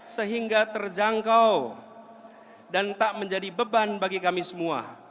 sehingga tidak menjadi beban yang terjangkau